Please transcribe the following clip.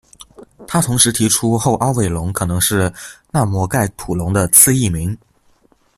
他同时提出后凹尾龙可能是纳摩盖吐龙的次异名。